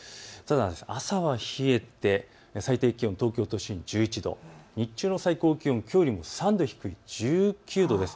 朝は冷えて最低気温、東京都心１１度、日中の最高気温、きょうよりも３度低い１９度です。